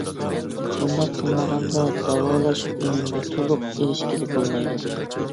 بۇنداق قىلمىغاندا داۋالاش ئۈنۈمىگە تولۇق ئېرىشكىلى بولمايدۇ.